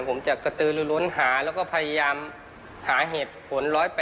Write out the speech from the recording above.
ผมจะกระตือหรือล้นหาแล้วก็พยายามหาเหตุผล๑๘